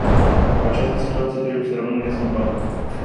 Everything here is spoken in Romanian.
Această situație trebuie să rămână neschimbată.